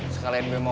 lo jalan mau siapa